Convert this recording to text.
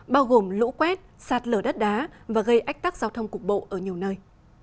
bao gồm lũ quét sạt lở đất đá và gây ách tắc giao thông cục bộ ở nhiều nơi